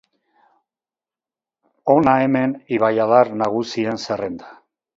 Hona hemen ibaiadar nagusien zerrenda.